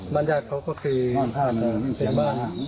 บ้านญาติเขาก็คือเป็นบ้าน